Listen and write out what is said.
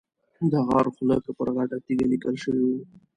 د غار خوله کې پر غټه تیږه لیکل شوي.